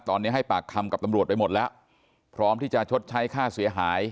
ตอนนี้ให้ปากคำกับตำรวจไปหมดแล้วพร้อมที่จะชดใช้ค่าเสียหาย